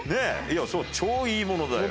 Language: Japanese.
いや超いいものだよ。